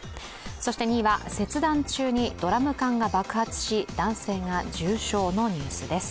そして、２位は切断中にドラム缶が爆発し、男性が重傷のニュースです。